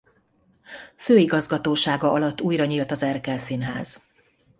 Főigazgatósága alatt újra nyílt az Erkel Színház.